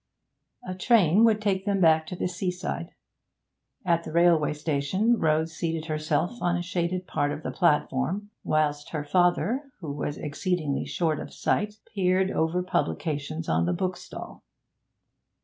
A train would take them back to the seaside. At the railway station Rose seated herself on a shaded part of the platform, whilst her father, who was exceedingly short of sight, peered over publications on the bookstall.